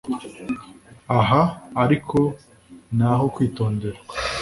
Aha ariko ni aho kwitonderwa,